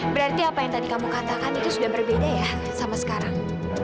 berarti apa yang tadi kamu katakan itu sudah berbeda ya sama sekarang